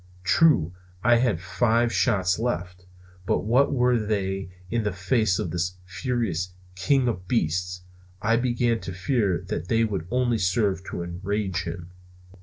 True, I had five shots left; but what were they in the face of this furious king of beasts? I began to fear that they would only serve to enrage him.